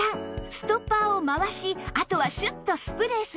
ストッパーを回しあとはシュッとスプレーするだけ